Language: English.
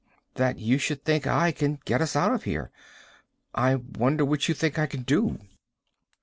"That you should think I can get us out of here. I wonder what you think I can do."